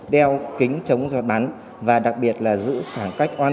đeo kính chống giọt bắn và đặc biệt là giữ khoảng cách an toàn